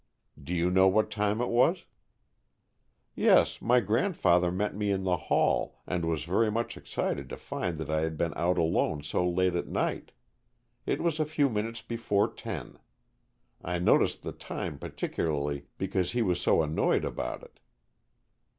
"Do you know what time it was?" "Yes, my grandfather met me in the hall and was very much excited to find that I had been out alone so late at night. It was a few minutes before ten. I noticed the time particularly, because he was so annoyed about it."